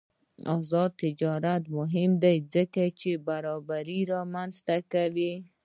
آزاد تجارت مهم دی ځکه چې برابري رامنځته کوي.